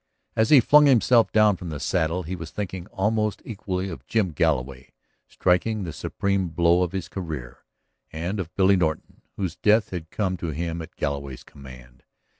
As he flung himself down from the saddle he was thinking almost equally of Jim Galloway, striking the supreme blow of his career, and of Billy Norton, whose death had come to him at Galloway's command.